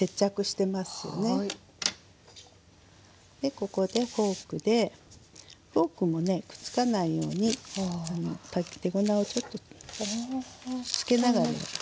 ここでフォークでフォークもねくっつかないように手粉をちょっとつけながらやってね。